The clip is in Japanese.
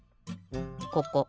ここ。